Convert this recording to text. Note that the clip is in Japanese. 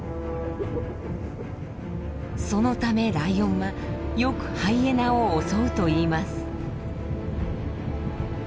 そのためライオンはよくハイエナを襲うといいます。